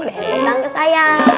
beri hutang ke saya